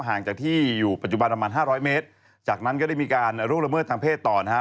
ห่างจากที่อยู่ปัจจุบันประมาณห้าร้อยเมตรจากนั้นก็ได้มีการล่วงละเมิดทางเพศต่อนะฮะ